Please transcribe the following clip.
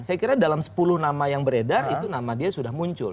saya kira dalam sepuluh nama yang beredar itu nama dia sudah muncul